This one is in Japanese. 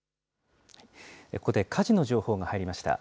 ここで火事の情報が入りました。